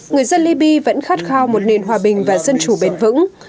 người dân libya vẫn khát khao một nền hòa bình và dân chủ bền vững